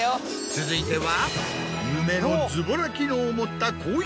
続いては。